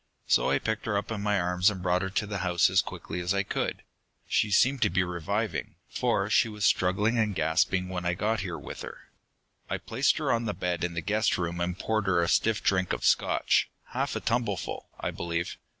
So I picked her up in my arms and brought her to the house as quickly as I could. She seemed to be reviving, for she was struggling and gasping when I got here with her. "I placed her on the bed in the guest room and poured her a stiff drink of Scotch half a tumblerful, I believe.